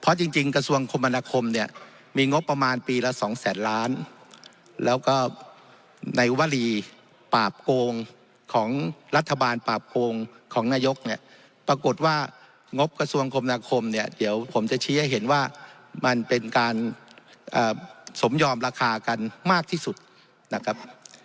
เพราะจริงกระทรวงคมนาคมเนี่ยมีงบประมาณปีละสองแสนล้านแล้วก็ในวรีปราบโกงของรัฐบาลปราบโกงของนายกเนี่ยปรากฏว่างบกระทรวงคมนาคมเนี่ยเดี๋ยวผมจะชี้ให้เห็นว่ามันเป็นการสมยอมราคากันมากที่สุดนะครับ